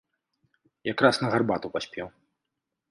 Якраз на гарбату паспеў.